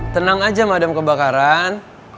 tenang aja madam kebakaran